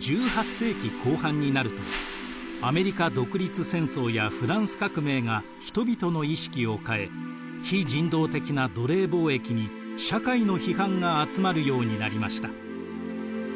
１８世紀後半になるとアメリカ独立戦争やフランス革命が人々の意識を変え非人道的な奴隷貿易に社会の批判が集まるようになりました。